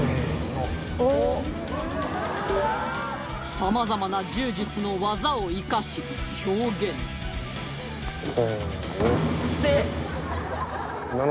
さまざまな柔術の技を生かし表現せの。